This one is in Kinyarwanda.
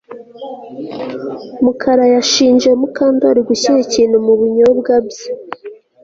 Mukara yashinje Mukandoli gushyira ikintu mu binyobwa bye